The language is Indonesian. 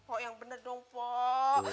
oh yang bener pok